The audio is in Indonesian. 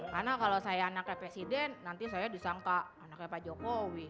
karena kalau saya anaknya presiden nanti saya disangka anaknya pak jokowi